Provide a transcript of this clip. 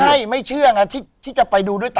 ไม่ใช่ไม่เชื่อที่จะไปดูด้วยต่าง